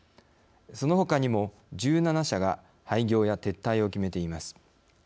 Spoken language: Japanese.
そのほかにも１７社が廃業や撤退を決めています。